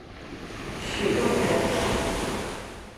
许洞人。